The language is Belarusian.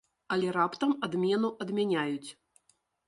Але раптам адмену адмяняюць.